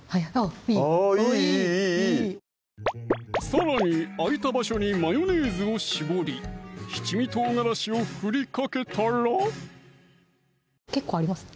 さらに空いた場所にマヨネーズをしぼり七味唐辛子をふりかけたら結構あります？